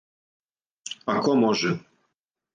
А ко може?